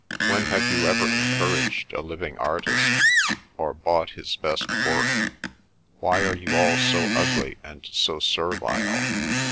When have you ever encouraged a living artist? Or bought his best work? Why are you all so ugly and so servile?